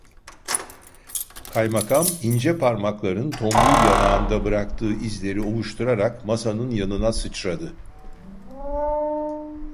Kaymakam ince parmakların tombul yanağında bıraktığı izleri ovuşturarak masanın yanına sıçradı.